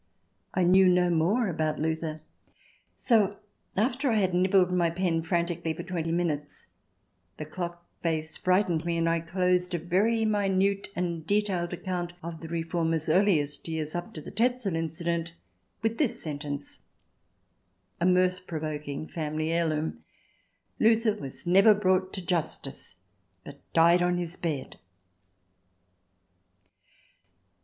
I knew no more about Luther. ... So after I had nibbled my pen frantically for twenty minutes, the clock face frightened me, and 1 closed a very minute and detailed account of the Reformer's earliest years up to the Tetzel incident, with this sentence, a mirth provoking family heirloom :" Luther was never brought to justice, but died on his bed.